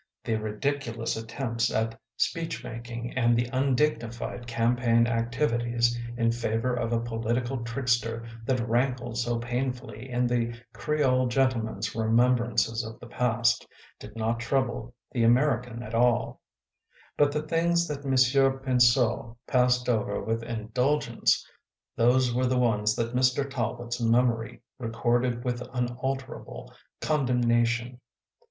The ridiculous attempts at speechmaking and the undignified campaign activities in favor of a political trickster, that rankled so painfully in the Creole gentle man s remembrances of the past, did not trouble the American at all; but the things that Monsieur Pinseau passed over with indulgence, those were the ones that Mr. Talbot s memory recorded with unalterable con demnation.